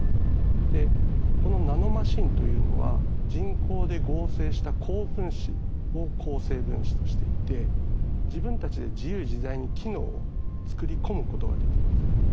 でこのナノマシンというのは人工で合成した高分子を構成分子としていて自分たちで自由自在に機能を作り込むことができます。